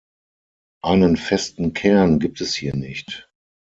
Einen festen Kern gibt es hier nicht.